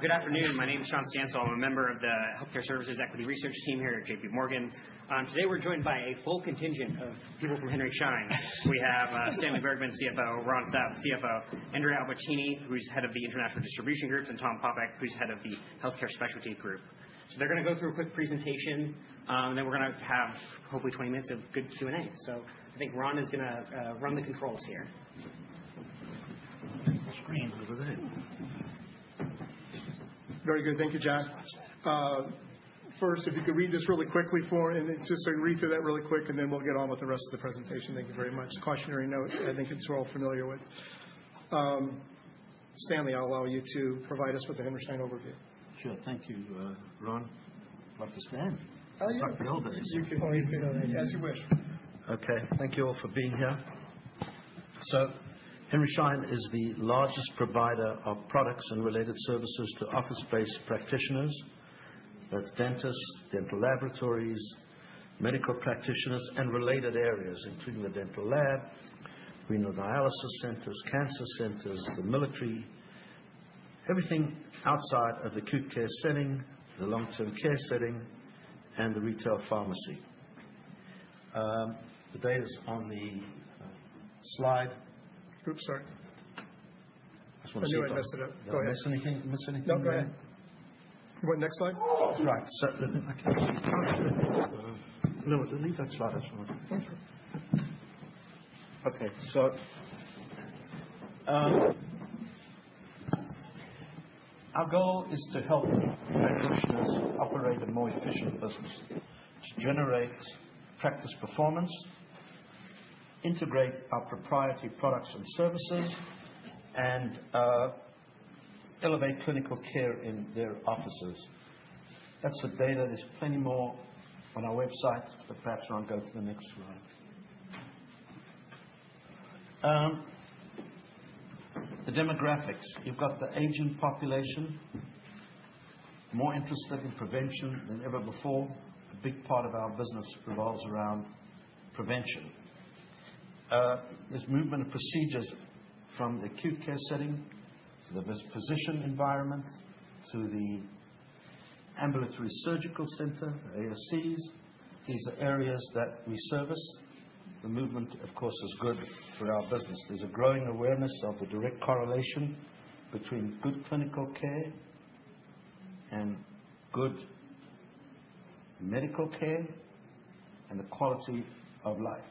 Good afternoon. My name is John Stansel. I'm a member of the Healthcare Services Equity Research Team here at J.P. Morgan. Today we're joined by a full contingent of people from Henry Schein. We have Stanley Bergman, CEO, Ron South, CFO, Andrea Albertini, who's head of the International Distribution Group, and Tom Popeck, who's head of the Healthcare Specialty Group. So they're going to go through a quick presentation, and then we're going to have hopefully 20 minutes of good Q&A. So I think Ron is going to run the controls here. Screens over there. Very good. Thank you, John. First, if you could read this really quickly for, and then just so Henry could read through that really quick, and then we'll get on with the rest of the presentation. Thank you very much. Cautionary note, I think it's all familiar with. Stanley, I'll allow you to provide us with the Henry Schein overview. Sure. Thank you, Ron. Like to stand. Oh, you can build it. Oh, you can build it. As you wish. Okay. Thank you all for being here. So Henry Schein is the largest provider of products and related services to office-based practitioners. That's dentists, dental laboratories, medical practitioners, and related areas, including the dental lab, renal dialysis centers, cancer centers, the military, everything outside of the acute care setting, the long-term care setting, and the retail pharmacy. The data's on the slide. Oops, sorry. I just want to see that. Anyway, that's it. Go ahead. Miss anything? Miss anything? No, go ahead. What, next slide? Right. So let me. Oh, no, leave that slide as well. Thank you. Okay. So our goal is to help healthcare professionals operate a more efficient business, to generate practice performance, integrate our proprietary products and services, and elevate clinical care in their offices. That's the data. There's plenty more on our website, but perhaps Ron go to the next slide. The demographics. You've got the aging population, more interested in prevention than ever before. A big part of our business revolves around prevention. There's movement of procedures from the acute care setting to the physician environment, to the ambulatory surgical center, the ASCs. These are areas that we service. The movement, of course, is good for our business. There's a growing awareness of the direct correlation between good clinical care and good medical care and the quality of life.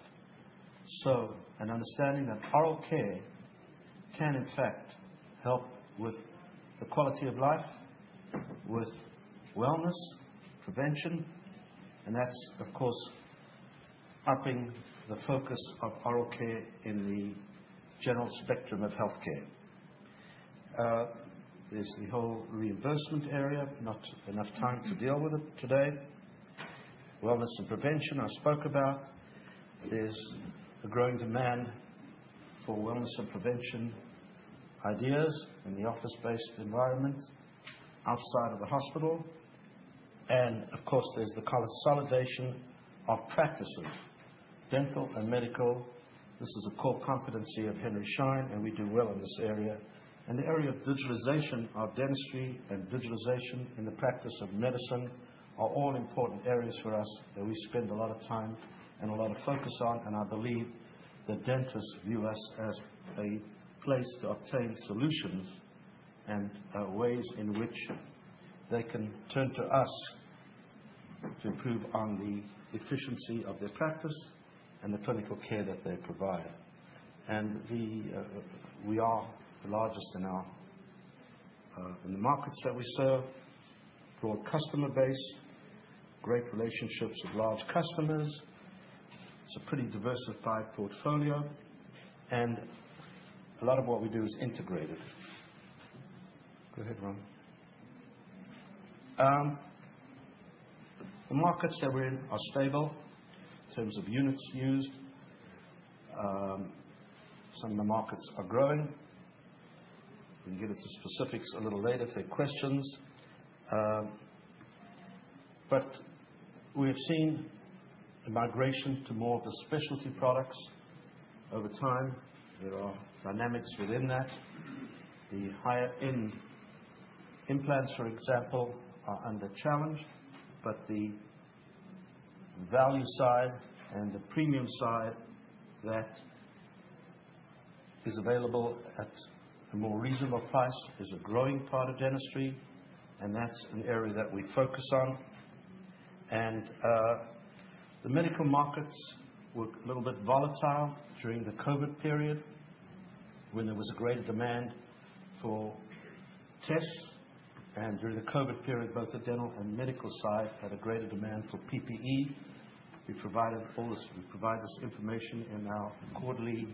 So an understanding that oral care can, in fact, help with the quality of life, with wellness, prevention, and that's, of course, upping the focus of oral care in the general spectrum of healthcare. There's the whole reimbursement area. Not enough time to deal with it today. Wellness and prevention, I spoke about. There's a growing demand for wellness and prevention ideas in the office-based environment, outside of the hospital. And, of course, there's the consolidation of practices, dental and medical. This is a core competency of Henry Schein, and we do well in this area. And the area of digitalization of dentistry and digitalization in the practice of medicine are all important areas for us that we spend a lot of time and a lot of focus on. I believe that dentists view us as a place to obtain solutions and ways in which they can turn to us to improve on the efficiency of their practice and the clinical care that they provide. We are the largest in the markets that we serve, broad customer base, great relationships with large customers. It's a pretty diversified portfolio. A lot of what we do is integrated. Go ahead, Ron. The markets that we're in are stable in terms of units used. Some of the markets are growing. We can get into specifics a little later to questions. We have seen a migration to more of the specialty products over time. There are dynamics within that. The higher-end implants, for example, are under challenge. The value side and the premium side that is available at a more reasonable price is a growing part of dentistry. And that's an area that we focus on. The medical markets were a little bit volatile during the COVID period when there was a greater demand for tests. During the COVID period, both the dental and medical side had a greater demand for PPE. We provide this information in our quarterly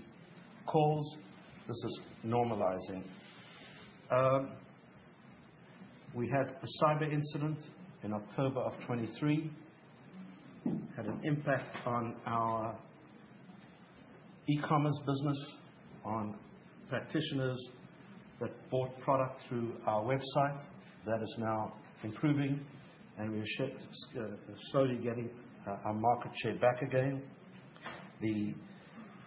calls. This is normalizing. We had a cyber incident in October of 2023. It had an impact on our e-commerce business, on practitioners that bought product through our website. That is now improving. We are slowly getting our market share back again. The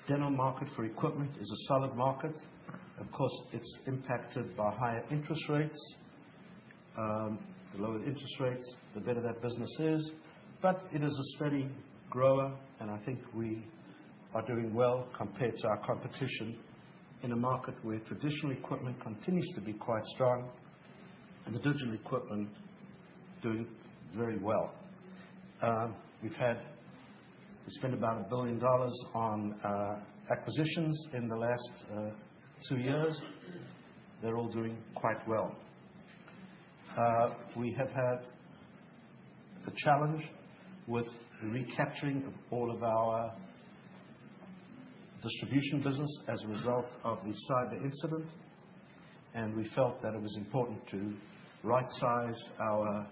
dental market for equipment is a solid market. Of course, it's impacted by higher interest rates. The lower the interest rates, the better that business is. But it is a steady grower. And I think we are doing well compared to our competition in a market where traditional equipment continues to be quite strong and the digital equipment doing very well. We've spent about $1 billion on acquisitions in the last two years. They're all doing quite well. We have had a challenge with the recapturing of all of our distribution business as a result of the cyber incident. And we felt that it was important to right-size our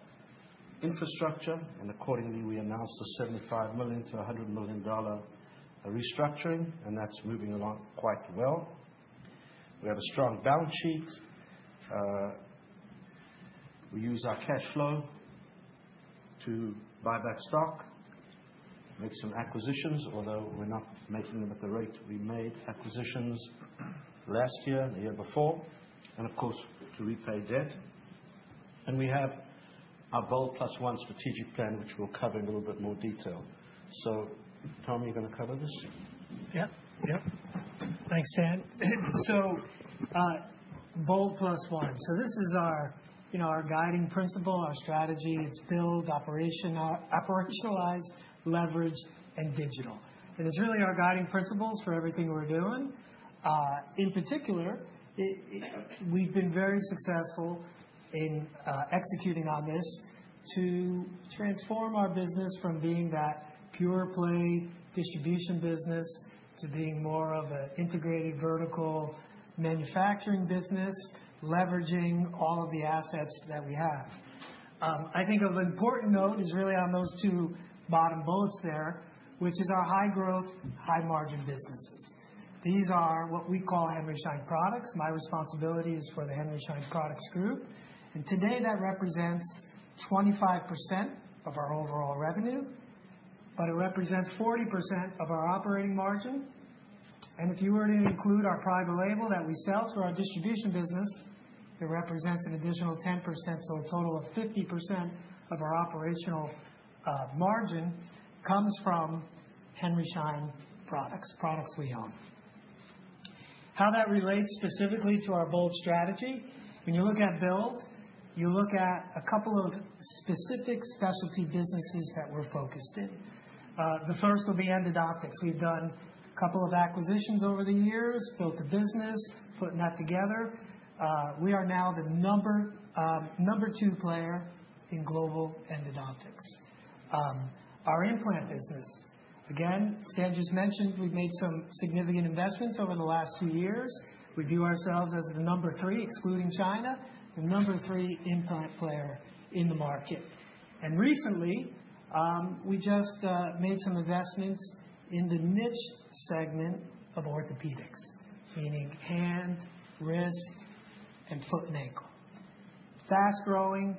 infrastructure. And accordingly, we announced a $75 million-$100 million restructuring. And that's moving along quite well. We have a strong balance sheet. We use our cash flow to buy back stock, make some acquisitions, although we're not making them at the rate we made acquisitions last year and the year before. And, of course, to repay debt. We have our BOLD+1 strategic plan, which we'll cover in a little bit more detail. Tom, you're going to cover this? Yeah. Yeah. Thanks, Stan. So BOLD+1 plan. So this is our guiding principle, our strategy. It's build, operationalize, leverage, and digital. And it's really our guiding principles for everything we're doing. In particular, we've been very successful in executing on this to transform our business from being that pure-play distribution business to being more of an integrated vertical manufacturing business, leveraging all of the assets that we have. I think one important note is really on those two bottom boxes there, which is our high-growth, high-margin businesses. These are what we call Henry Schein Products. My responsibility is for the Henry Schein Products Group. And today, that represents 25% of our overall revenue, but it represents 40% of our operating margin. And if you were to include our private label that we sell through our distribution business, it represents an additional 10%. A total of 50% of our operational margin comes from Henry Schein Products, products we own. How that relates specifically to our BOLD strategy? When you look at build, you look at a couple of specific specialty businesses that we're focused in. The first will be endodontics. We've done a couple of acquisitions over the years, built a business, put that together. We are now the number two player in global endodontics. Our implant business, again, Stan just mentioned, we've made some significant investments over the last two years. We view ourselves as the number three, excluding China, the number three implant player in the market. And recently, we just made some investments in the niche segment of orthopedics, meaning hand, wrist, and foot and ankle. Fast-growing,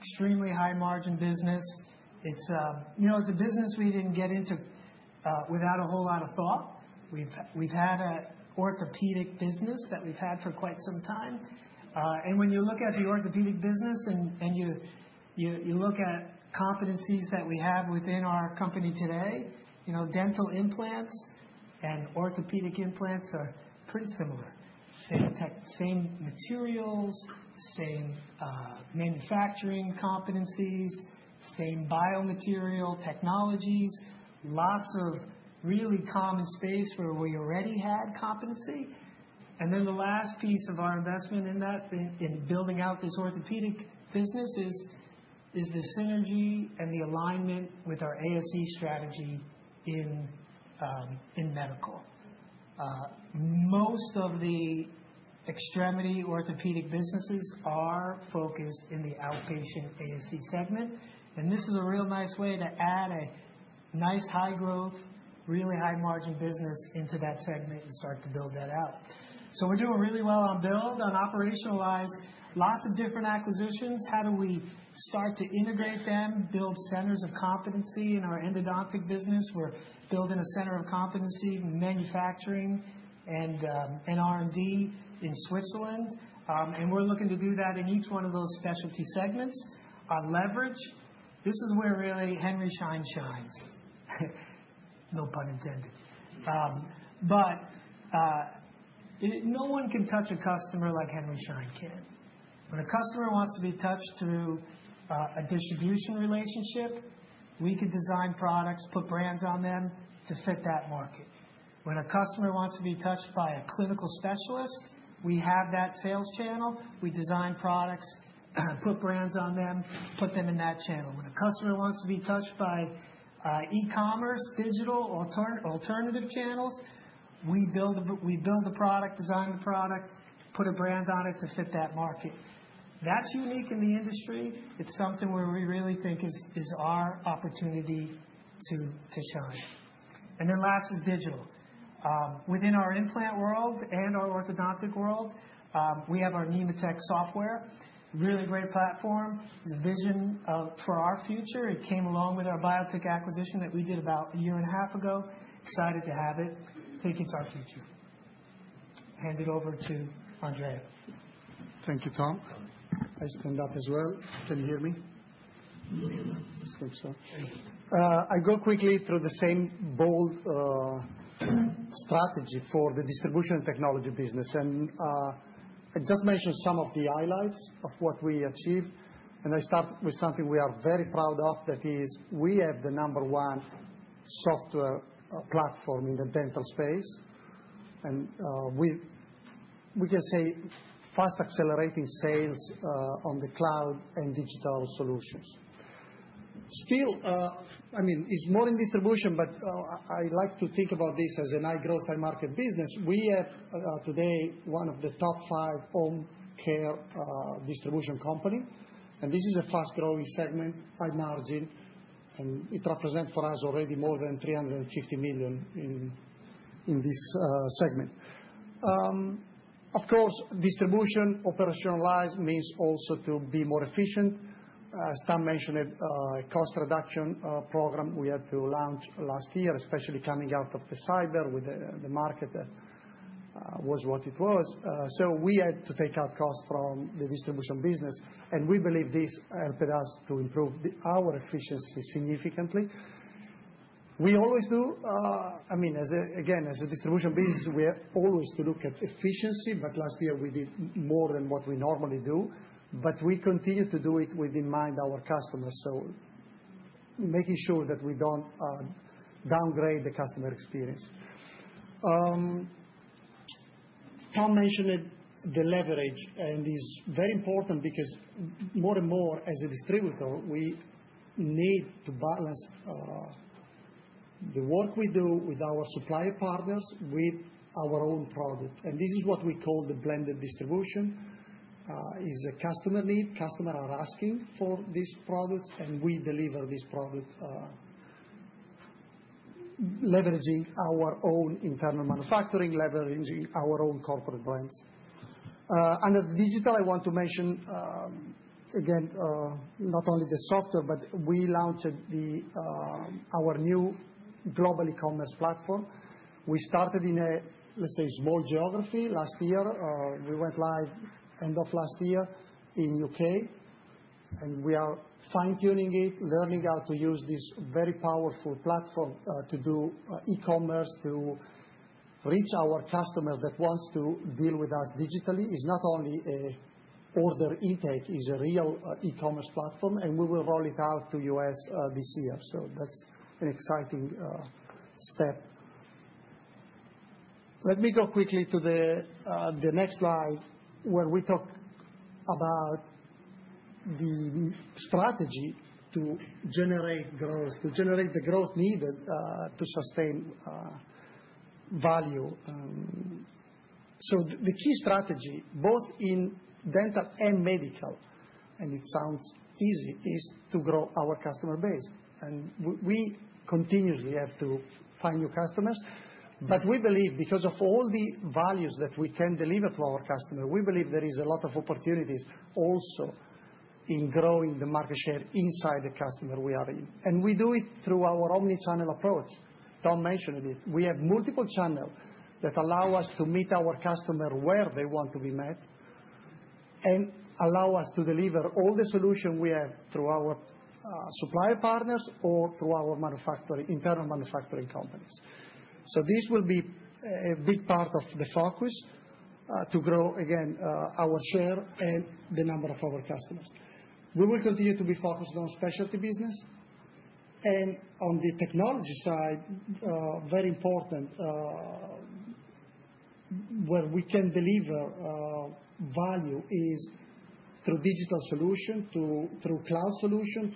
extremely high-margin business. It's a business we didn't get into without a whole lot of thought. We've had an orthopedic business that we've had for quite some time, and when you look at the orthopedic business and you look at competencies that we have within our company today, dental implants and orthopedic implants are pretty similar. Same materials, same manufacturing competencies, same biomaterial technologies, lots of really common space where we already had competency, and then the last piece of our investment in that, in building out this orthopedic business, is the synergy and the alignment with our ASC strategy in medical. Most of the extremity orthopedic businesses are focused in the outpatient ASC segment, and this is a real nice way to add a nice high-growth, really high-margin business into that segment and start to build that out, so we're doing really well on build, on operationalize, lots of different acquisitions. How do we start to integrate them, build centers of competency in our endodontic business? We're building a center of competency in manufacturing and R&D in Switzerland. We're looking to do that in each one of those specialty segments. On leverage, this is where really Henry Schein shines. No pun intended. No one can touch a customer like Henry Schein can. When a customer wants to be touched through a distribution relationship, we can design products, put brands on them to fit that market. When a customer wants to be touched by a clinical specialist, we have that sales channel. We design products, put brands on them, put them in that channel. When a customer wants to be touched by e-commerce, digital, alternative channels, we build the product, design the product, put a brand on it to fit that market. That's unique in the industry. It's something where we really think is our opportunity to shine. And then last is digital. Within our implant world and our orthodontic world, we have our Nemotec software, really great platform. It's a vision for our future. It came along with our Biotech acquisition that we did about a year and a half ago. Excited to have it. I think it's our future. Hand it over to Andrea. Thank you, Tom. I stand up as well. Can you hear me? Yeah. I think so. I go quickly through the same BOLD strategy for the distribution technology business, and I just mentioned some of the highlights of what we achieved. I start with something we are very proud of, that is we have the number one software platform in the dental space. We can say fast-accelerating sales on the cloud and digital solutions. Still, I mean, it's more in distribution, but I like to think about this as a high-growth, high-margin business. We have today one of the top five home care distribution companies. This is a fast-growing segment, high margin. It represents for us already more than $350 million in this segment. Of course, distribution operationalize means also to be more efficient. Stan mentioned a cost reduction program we had to launch last year, especially coming out of the cyber with the market was what it was. So we had to take out costs from the distribution business. And we believe this helped us to improve our efficiency significantly. We always do. I mean, again, as a distribution business, we are always to look at efficiency. But last year, we did more than what we normally do. But we continue to do it with our customers in mind, so making sure that we don't downgrade the customer experience. Tom mentioned the leverage. And it's very important because more and more as a distributor, we need to balance the work we do with our supplier partners with our own product. And this is what we call the blended distribution. It's a customer need. Customers are asking for these products. And we deliver these products leveraging our own internal manufacturing, leveraging our own corporate brands. Under digital, I want to mention, again, not only the software, but we launched our new global e-commerce platform. We started in a, let's say, small geography last year. We went live end of last year in the U.K., and we are fine-tuning it, learning how to use this very powerful platform to do e-commerce to reach our customer that wants to deal with us digitally. It's not only an order intake. It's a real e-commerce platform, and we will roll it out to the U.S. this year, so that's an exciting step. Let me go quickly to the next slide where we talk about the strategy to generate growth, to generate the growth needed to sustain value, so the key strategy, both in dental and medical, and it sounds easy, is to grow our customer base. And we continuously have to find new customers. But we believe because of all the values that we can deliver to our customers, we believe there is a lot of opportunities also in growing the market share inside the customer we are in. And we do it through our omnichannel approach. Tom mentioned it. We have multiple channels that allow us to meet our customer where they want to be met and allow us to deliver all the solutions we have through our supplier partners or through our internal manufacturing companies. So this will be a big part of the focus to grow, again, our share and the number of our customers. We will continue to be focused on specialty business. And on the technology side, very important where we can deliver value is through digital solution, through cloud solution,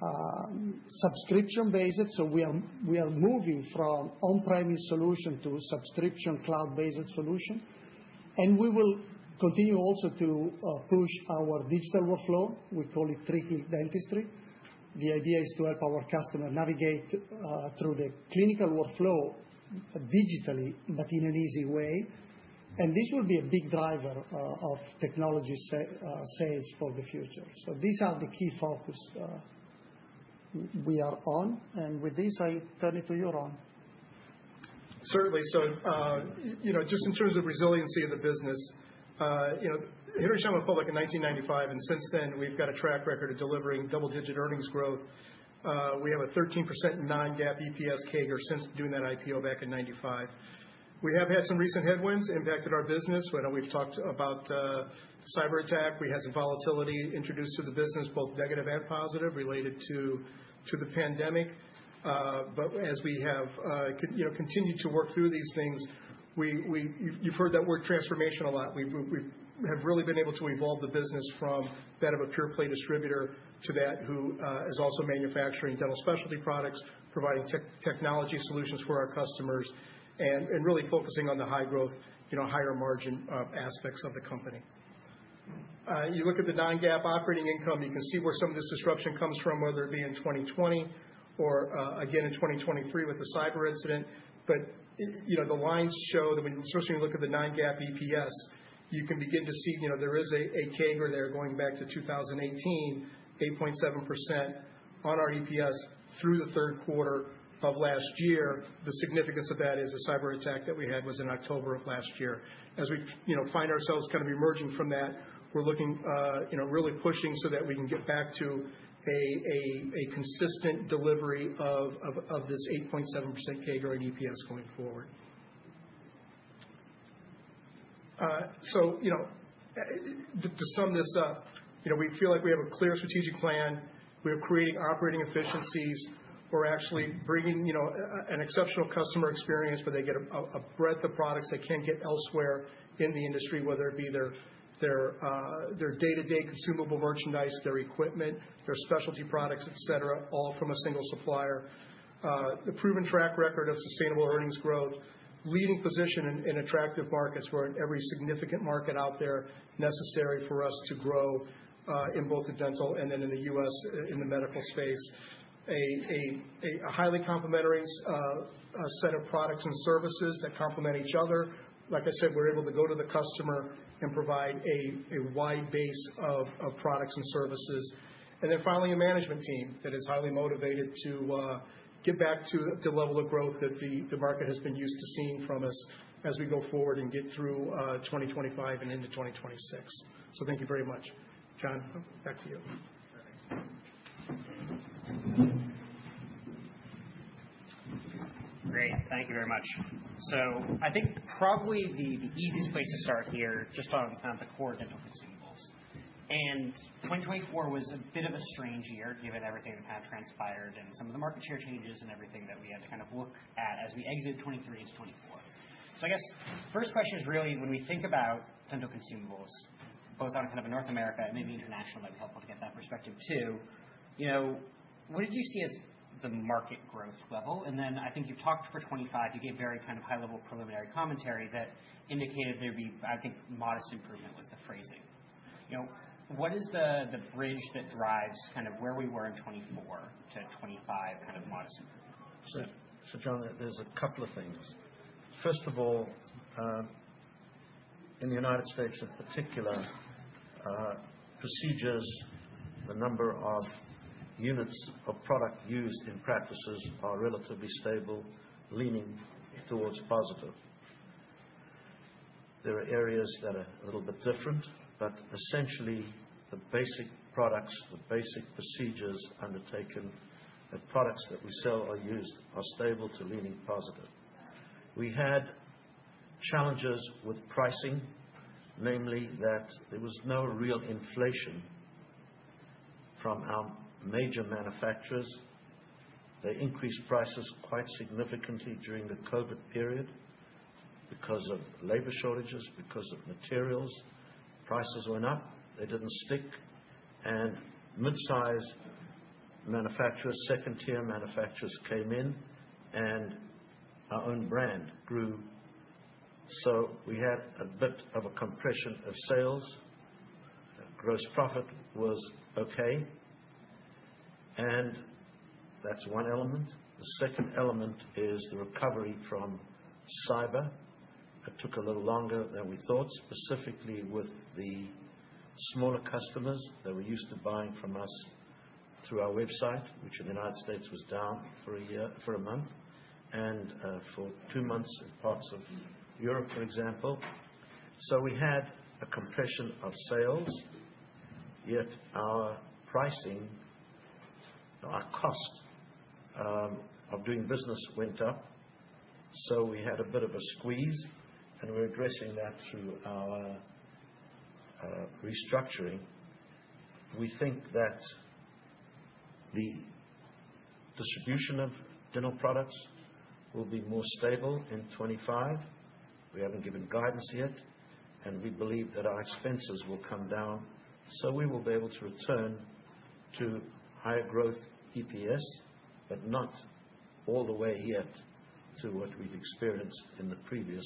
through subscription-based. So we are moving from on-premise solution to subscription cloud-based solution. And we will continue also to push our digital workflow. We call it turnkey dentistry. The idea is to help our customer navigate through the clinical workflow digitally, but in an easy way. And this will be a big driver of technology sales for the future. So these are the key focus we are on. And with this, I turn it to you, Ron. Certainly. So just in terms of resiliency of the business, Henry Schein went public in 1995. And since then, we've got a track record of delivering double-digit earnings growth. We have a 13% non-GAAP EPS CAGR since doing that IPO back in 1995. We have had some recent headwinds impacting our business. We've talked about the cyber attack. We had some volatility introduced to the business, both negative and positive related to the pandemic. But as we have continued to work through these things, you've heard that word transformation a lot. We have really been able to evolve the business from that of a pure-play distributor to that who is also manufacturing dental specialty products, providing technology solutions for our customers, and really focusing on the high-growth, higher-margin aspects of the company. You look at the non-GAAP operating income, you can see where some of this disruption comes from, whether it be in 2020 or again in 2023 with the cyber incident. But the lines show that when especially when you look at the non-GAAP EPS, you can begin to see there is a CAGR there going back to 2018, 8.7% on our EPS through the third quarter of last year. The significance of that is the cyber attack that we had was in October of last year. As we find ourselves kind of emerging from that, we're looking really pushing so that we can get back to a consistent delivery of this 8.7% CAGR and EPS going forward. So to sum this up, we feel like we have a clear strategic plan. We are creating operating efficiencies. We're actually bringing an exceptional customer experience where they get a breadth of products they can't get elsewhere in the industry, whether it be their day-to-day consumable merchandise, their equipment, their specialty products, etc., all from a single supplier. The proven track record of sustainable earnings growth, leading position in attractive markets where every significant market out there is necessary for us to grow in both the dental and then in the U.S. in the medical space. A highly complementary set of products and services that complement each other. Like I said, we're able to go to the customer and provide a wide base of products and services. And then finally, a management team that is highly motivated to get back to the level of growth that the market has been used to seeing from us as we go forward and get through 2025 and into 2026. So thank you very much. John, back to you. Great. Thank you very much. I think probably the easiest place to start here just on the core dental consumables. 2024 was a bit of a strange year given everything that had transpired and some of the market share changes and everything that we had to kind of look at as we exit 2023 into 2024. I guess first question is really when we think about dental consumables, both on kind of a North America and maybe international, it might be helpful to get that perspective too. What did you see as the market growth level? I think you've talked for 2025, you gave very kind of high-level preliminary commentary that indicated there'd be, I think, modest improvement was the phrasing. What is the bridge that drives kind of where we were in 2024 to 2025 kind of modest improvement? So John, there's a couple of things. First of all, in the United States in particular, procedures, the number of units of product used in practices are relatively stable, leaning towards positive. There are areas that are a little bit different, but essentially the basic products, the basic procedures undertaken that products that we sell or use are stable to leaning positive. We had challenges with pricing, namely that there was no real inflation from our major manufacturers. They increased prices quite significantly during the COVID period because of labor shortages, because of materials. Prices went up. They didn't stick. And mid-size manufacturers, second-tier manufacturers came in, and our own brand grew. So we had a bit of a compression of sales. Gross profit was okay. And that's one element. The second element is the recovery from cyber. It took a little longer than we thought, specifically with the smaller customers that were used to buying from us through our website, which in the United States was down for a month and for two months in parts of Europe, for example, so we had a compression of sales, yet our pricing, our cost of doing business went up, so we had a bit of a squeeze, and we're addressing that through our restructuring. We think that the distribution of dental products will be more stable in 2025. We haven't given guidance yet, and we believe that our expenses will come down, so we will be able to return to higher growth EPS, but not all the way yet to what we've experienced in the previous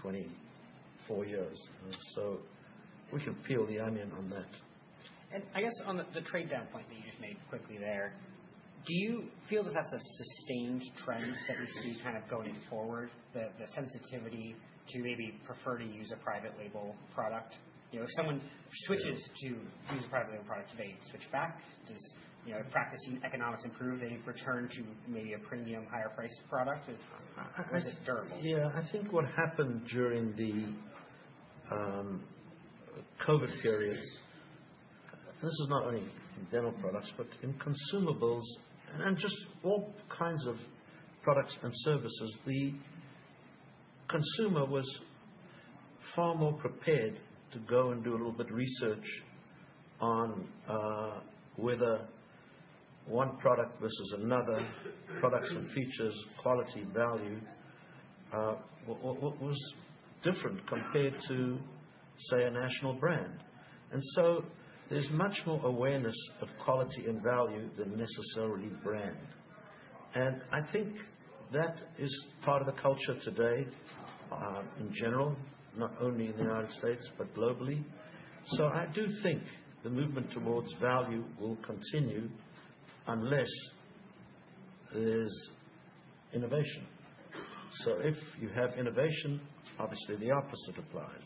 24 years, so we can peel the onion on that. I guess on the trade-down point that you just made quickly there, do you feel that that's a sustained trend that we see kind of going forward, the sensitivity to maybe prefer to use a private label product? If someone switches to use a private label product, do they switch back? Does practicing economics improve? They return to maybe a premium, higher-priced product? Or is it durable? Yeah. I think what happened during the COVID period, and this is not only in dental products, but in consumables and just all kinds of products and services. The consumer was far more prepared to go and do a little bit of research on whether one product versus another, products and features, quality, value, was different compared to, say, a national brand. And so there's much more awareness of quality and value than necessarily brand. And I think that is part of the culture today in general, not only in the United States, but globally. So I do think the movement towards value will continue unless there's innovation. So if you have innovation, obviously the opposite applies.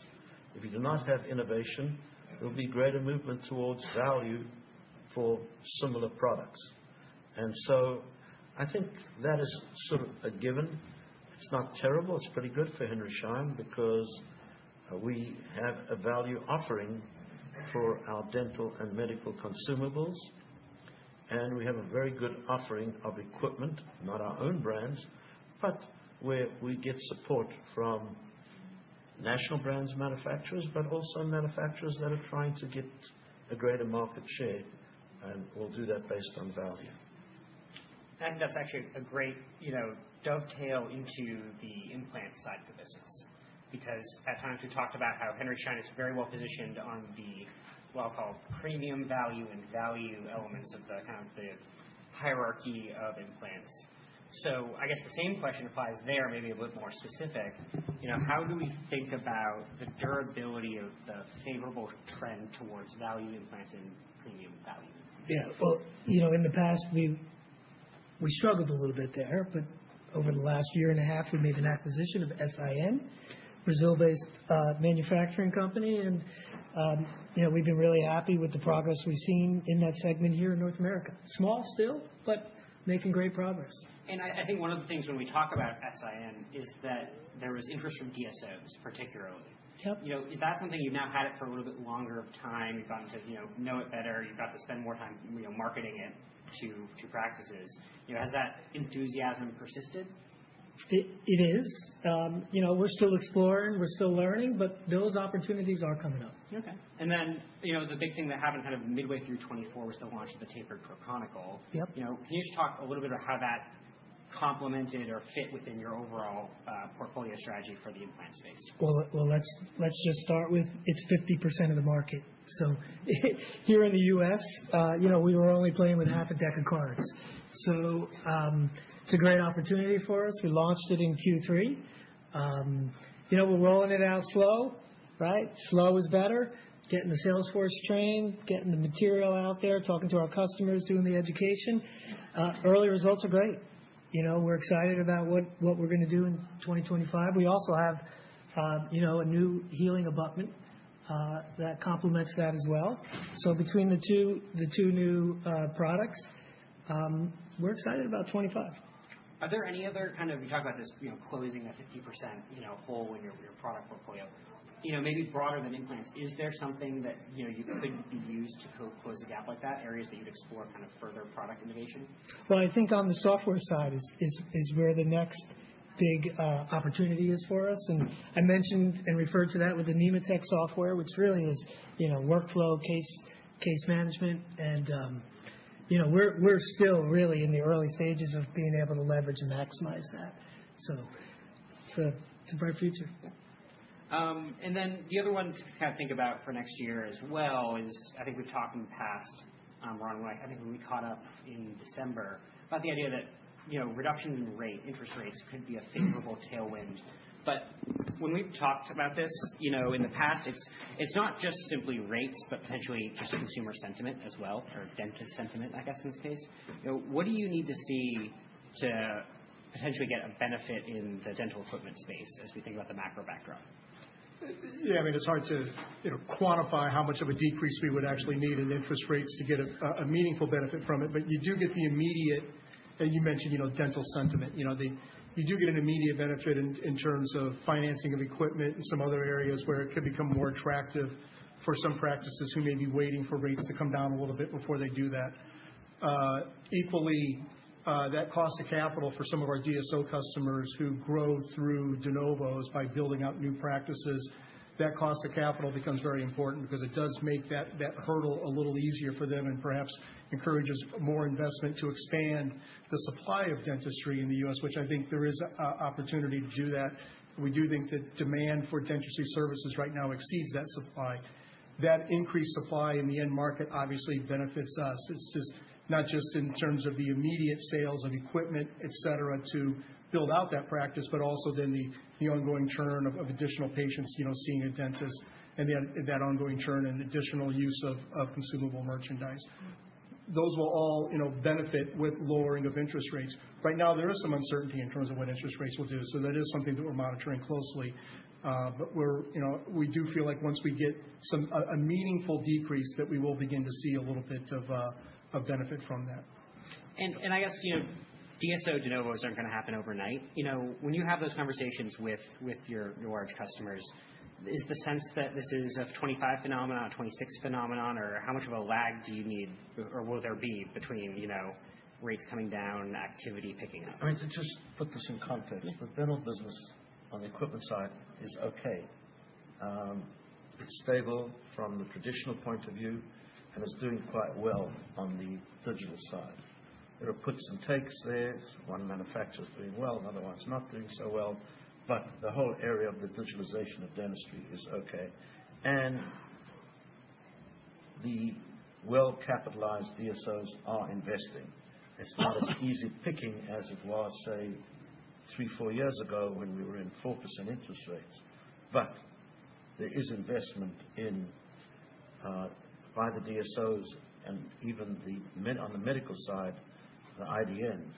If you do not have innovation, there'll be greater movement towards value for similar products. And so I think that is sort of a given. It's not terrible. It's pretty good for Henry Schein because we have a value offering for our dental and medical consumables. And we have a very good offering of equipment, not our own brands, but where we get support from national brands manufacturers, but also manufacturers that are trying to get a greater market share. And we'll do that based on value. I think that's actually a great dovetail into the implant side of the business because at times we've talked about how Henry Schein is very well positioned on the, well, called premium value and value elements of the kind of the hierarchy of implants. So I guess the same question applies there, maybe a bit more specific. How do we think about the durability of the favorable trend towards value implants and premium value? Yeah. Well, in the past, we struggled a little bit there. But over the last year and a half, we made an acquisition of S.I.N., Brazil-based manufacturing company. And we've been really happy with the progress we've seen in that segment here in North America. Small still, but making great progress. I think one of the things when we talk about S.I.N. is that there was interest from DSOs, particularly. Is that something you've now had it for a little bit longer of time? You've gotten to know it better. You've got to spend more time marketing it to practices. Has that enthusiasm persisted? It is. We're still exploring. We're still learning. But those opportunities are coming up. Okay, and then the big thing that happened kind of midway through 2024, we're still launching the Tapered Pro Conical. Can you just talk a little bit about how that complemented or fit within your overall portfolio strategy for the implant space? Let's just start with it's 50% of the market. So here in the U.S., we were only playing with half a deck of cards. So it's a great opportunity for us. We launched it in Q3. We're rolling it out slow, right? Slow is better. Getting the sales force trained, getting the material out there, talking to our customers, doing the education. Early results are great. We're excited about what we're going to do in 2025. We also have a new healing abutment that complements that as well. So between the two new products, we're excited about 2025. Are there any other kind of you talk about this closing a 50% hole in your product portfolio, maybe broader than implants? Is there something that you could be used to close a gap like that, areas that you'd explore kind of further product innovation? I think on the software side is where the next big opportunity is for us. I mentioned and referred to that with the Nemotec software, which really is workflow case management. We're still really in the early stages of being able to leverage and maximize that. It's a bright future. And then the other one to kind of think about for next year as well is, I think we've talked in the past, Ron. I think when we caught up in December about the idea that reductions in rate, interest rates could be a favorable tailwind. But when we've talked about this in the past, it's not just simply rates, but potentially just consumer sentiment as well, or dentist sentiment, I guess in this case. What do you need to see to potentially get a benefit in the dental equipment space as we think about the macro backdrop? Yeah. I mean, it's hard to quantify how much of a decrease we would actually need in interest rates to get a meaningful benefit from it. But you do get the immediate you mentioned dental sentiment. You do get an immediate benefit in terms of financing of equipment and some other areas where it could become more attractive for some practices who may be waiting for rates to come down a little bit before they do that. Equally, that cost of capital for some of our DSO customers who grow through de novos by building out new practices, that cost of capital becomes very important because it does make that hurdle a little easier for them and perhaps encourages more investment to expand the supply of dentistry in the U.S., which I think there is an opportunity to do that. We do think that demand for dentistry services right now exceeds that supply. That increased supply in the end market obviously benefits us. It's just not just in terms of the immediate sales of equipment, etc., to build out that practice, but also then the ongoing churn of additional patients seeing a dentist and that ongoing churn and additional use of consumable merchandise. Those will all benefit with lowering of interest rates. Right now, there is some uncertainty in terms of what interest rates will do. So that is something that we're monitoring closely. But we do feel like once we get a meaningful decrease, that we will begin to see a little bit of benefit from that. I guess DSO de novos aren't going to happen overnight. When you have those conversations with your large customers, is the sense that this is a 2025 phenomenon, a 2026 phenomenon, or how much of a lag do you need, or will there be between rates coming down, activity picking up? I mean, to just put this in context, the dental business on the equipment side is okay. It's stable from the traditional point of view, and it's doing quite well on the digital side. There are puts and takes there. One manufacturer is doing well. Another one's not doing so well, but the whole area of the digitalization of dentistry is okay, and the well-capitalized DSOs are investing. It's not as easy picking as it was, say, three, four years ago when we were in 4% interest rates. But there is investment by the DSOs and even on the medical side, the IDNs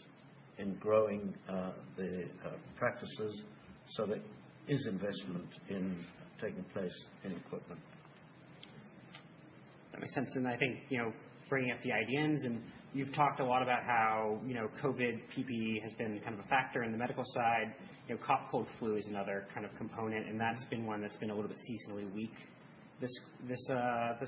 in growing the practices, so there is investment taking place in equipment. That makes sense, and I think bringing up the IDNs, and you've talked a lot about how COVID PPE has been kind of a factor in the medical side. Cough, cold, flu is another kind of component, and that's been one that's been a little bit seasonally weak this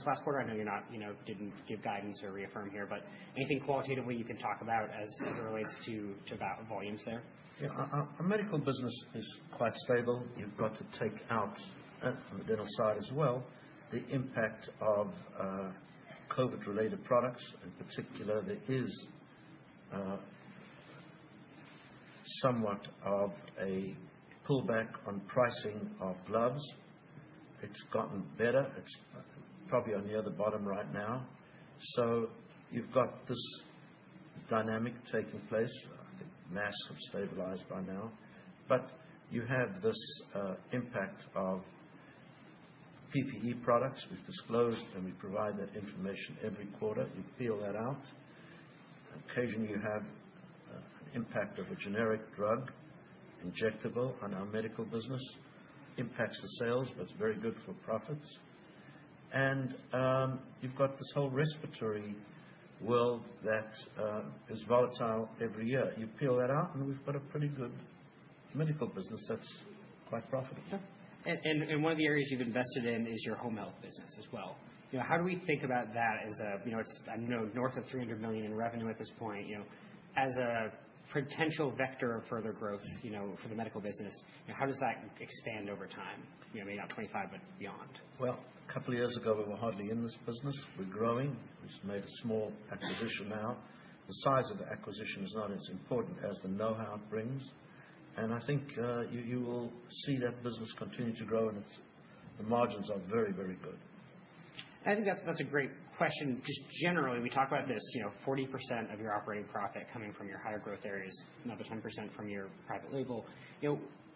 last quarter. I know you didn't give guidance or reaffirm here, but anything qualitatively you can talk about as it relates to volumes there? Yeah. Our medical business is quite stable. You've got to take out, on the dental side as well, the impact of COVID-related products. In particular, there is somewhat of a pullback on pricing of gloves. It's gotten better. It's probably on the other bottom right now. So you've got this dynamic taking place. I think masks have stabilized by now. But you have this impact of PPE products. We've disclosed, and we provide that information every quarter. You peel that out. Occasionally, you have an impact of a generic drug, injectable, on our medical business. It impacts the sales, but it's very good for profits. And you've got this whole respiratory world that is volatile every year. You peel that out, and we've got a pretty good medical business that's quite profitable. One of the areas you've invested in is your home health business as well. How do we think about that as a - I know north of $300 million in revenue at this point - as a potential vector of further growth for the medical business? How does that expand over time, maybe not 2025, but beyond? A couple of years ago, we were hardly in this business. We're growing. We've made a small acquisition now. The size of the acquisition is not as important as the know-how it brings. I think you will see that business continue to grow, and the margins are very, very good. I think that's a great question. Just generally, we talk about this: 40% of your operating profit coming from your higher growth areas, another 10% from your private label.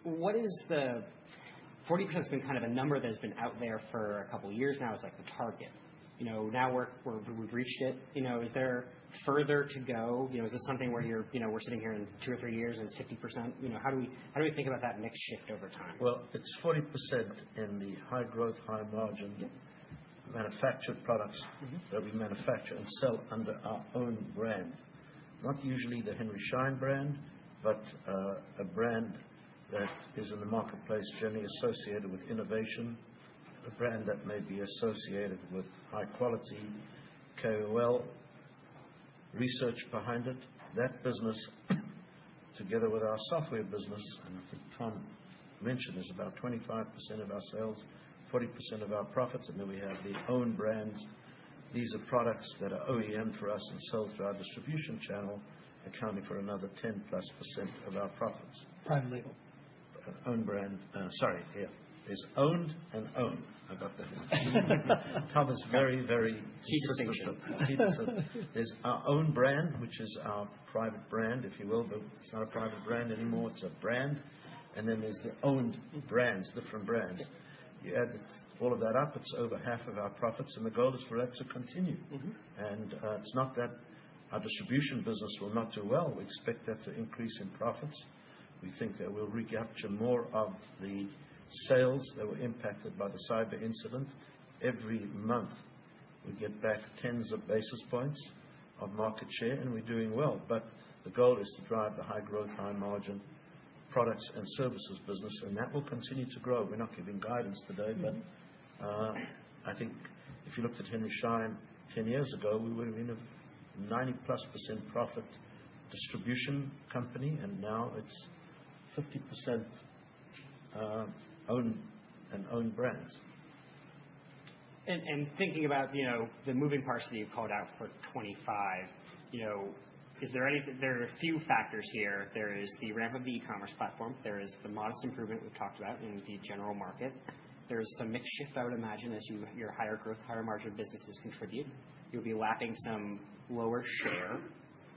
What is the 40% has been kind of a number that has been out there for a couple of years now. It's like the target. Now we've reached it. Is there further to go? Is this something where we're sitting here in two or three years and it's 50%? How do we think about that next shift over time? It's 40% in the high growth, high margin manufactured products that we manufacture and sell under our own brand. Not usually the Henry Schein brand, but a brand that is in the marketplace generally associated with innovation, a brand that may be associated with high-quality KOL research behind it. That business, together with our software business, and I think Tom mentioned it's about 25% of our sales, 40% of our profits. We have the own brand. These are products that are OEM for us and sold through our distribution channel, accounting for another 10%+ of our profits. Private label. Own brand. Sorry. Yeah. There's owned and owned. I got that. It covers very, very specific. There's our own brand, which is our private brand, if you will. It's not a private brand anymore. It's a brand. And then there's the owned brands, different brands. You add all of that up, it's over half of our profits. And the goal is for that to continue. And it's not that our distribution business will not do well. We expect that to increase in profits. We think that we'll recapture more of the sales that were impacted by the cyber incident. Every month, we get back tens of basis points of market share, and we're doing well. But the goal is to drive the high growth, high margin products and services business. And that will continue to grow. We're not giving guidance today. But I think if you looked at Henry Schein 10 years ago, we were in a 90-plus% profit distribution company, and now it's 50% owned and owned brands. And thinking about the moving parts that you've called out for 2025, there are a few factors here. There is the ramp of the e-commerce platform. There is the modest improvement we've talked about in the general market. There is some mixed shift, I would imagine, as your higher growth, higher margin businesses contribute. You'll be lapping some lower share.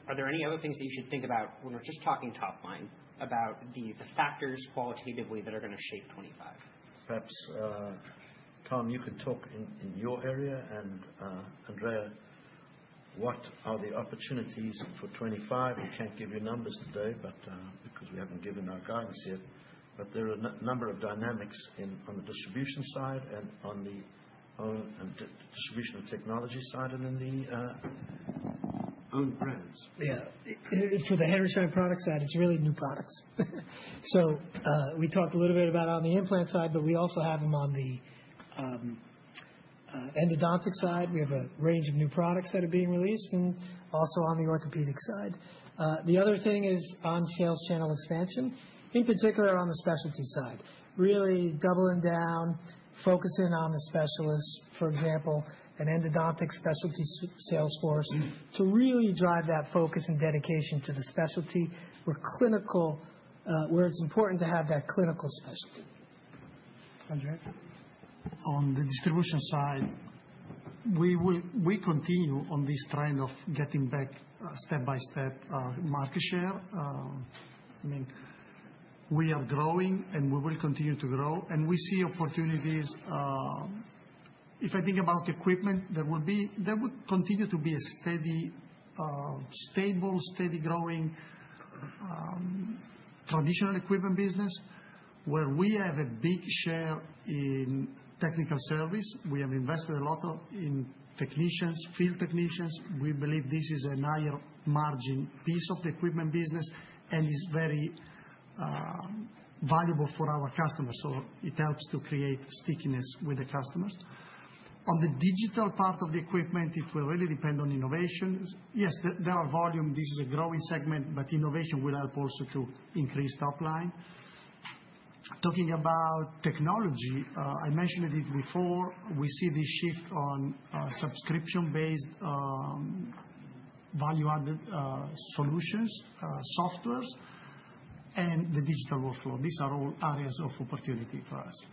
Are there any other things that you should think about when we're just talking top line about the factors qualitatively that are going to shape 2025? Perhaps Tom, you can talk in your area. And Andrea, what are the opportunities for 2025? We can't give you numbers today because we haven't given our guidance yet. But there are a number of dynamics on the distribution side and on the distribution and technology side and in the owned brands. Yeah. For the Henry Schein product side, it's really new products. So we talked a little bit about on the implant side, but we also have them on the endodontic side. We have a range of new products that are being released and also on the orthopedic side. The other thing is on sales channel expansion, in particular on the specialty side. Really doubling down, focusing on the specialists. For example, an endodontic specialty sales force to really drive that focus and dedication to the specialty where it's important to have that clinical specialty. On the distribution side, we continue on this trend of getting back step by step market share. I mean, we are growing, and we will continue to grow. And we see opportunities. If I think about equipment, there would continue to be a stable, steady growing traditional equipment business where we have a big share in technical service. We have invested a lot in technicians, field technicians. We believe this is a higher margin piece of the equipment business and is very valuable for our customers. So it helps to create stickiness with the customers. On the digital part of the equipment, it will really depend on innovation. Yes, there are volume. This is a growing segment, but innovation will help also to increase top line. Talking about technology, I mentioned it before. We see the shift on subscription-based value-added solutions, softwares, and the digital workflow. These are all areas of opportunity for us.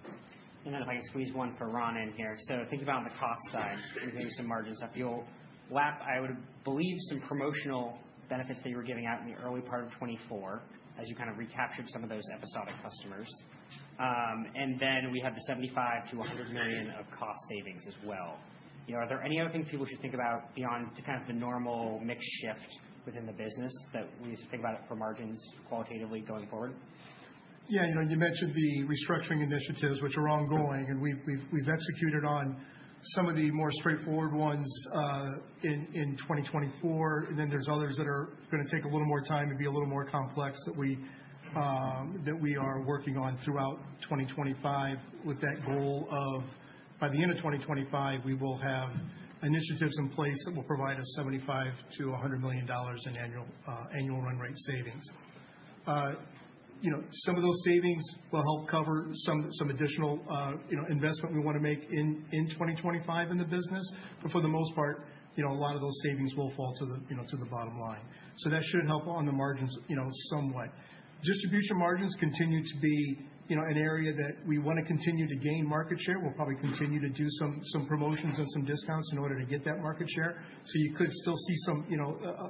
And then, if I can squeeze one for Ron in here. So, thinking about on the cost side and getting some margins up, you'll lap, I would believe, some promotional benefits that you were giving out in the early part of 2024 as you kind of recaptured some of those episodic customers. And then we have the $75 million-$100 million of cost savings as well. Are there any other things people should think about beyond kind of the normal mixed shift within the business that we should think about for margins qualitatively going forward? Yeah. You mentioned the restructuring initiatives, which are ongoing. We've executed on some of the more straightforward ones in 2024. Then there's others that are going to take a little more time and be a little more complex that we are working on throughout 2025 with that goal of, by the end of 2025, we will have initiatives in place that will provide us $75 million-$100 million in annual run rate savings. Some of those savings will help cover some additional investment we want to make in 2025 in the business. For the most part, a lot of those savings will fall to the bottom line. That should help on the margins somewhat. Distribution margins continue to be an area that we want to continue to gain market share. We'll probably continue to do some promotions and some discounts in order to get that market share. So you could still see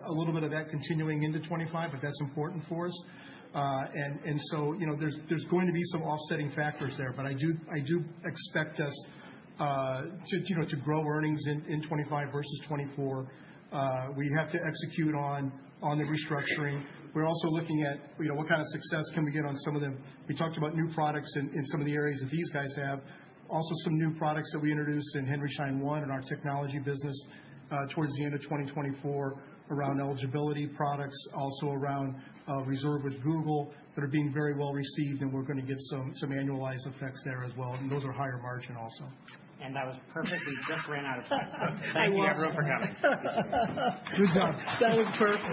a little bit of that continuing into 2025, but that's important for us, and so there's going to be some offsetting factors there, but I do expect us to grow earnings in 2025 versus 2024. We have to execute on the restructuring. We're also looking at what kind of success can we get on some of them. We talked about new products in some of the areas that these guys have, also some new products that we introduced in Henry Schein One and our technology business towards the end of 2024 around eligibility products, also around Reserve with Google that are being very well received, and we're going to get some annualized effects there as well, and those are higher margin also. And that was perfect. We just ran out of time. Thank you, everyone, for coming. Good job. That was perfect.